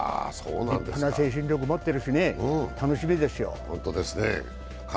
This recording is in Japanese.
立派な精神力持ってるしね、楽しみですよ。